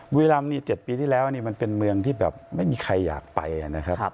บุรีรำ๗ปีที่แล้วมันเป็นเมืองที่แบบไม่มีใครอยากไปนะครับ